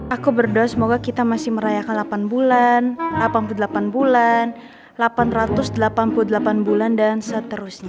aku berdoa semoga kita masih merayakan delapan bulan delapan puluh delapan bulan delapan ratus delapan puluh delapan bulan dan seterusnya